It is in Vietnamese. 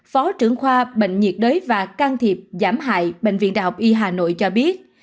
phó trưởng khoa bệnh nhiệt đới và can thiệp giảm hại bệnh viện đh y hà nội cho biết